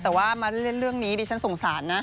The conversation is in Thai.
แต่ว่ามาเล่นเรื่องนี้ดิฉันสงสารนะ